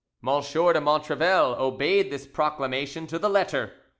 M de Montrevel obeyed this proclamation to the letter.